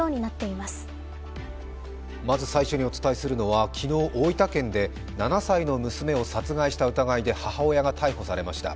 まず最初にお伝えするのは昨日大分県で７歳の娘を殺害した疑いで母親が逮捕されました。